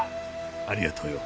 ありがとうよ。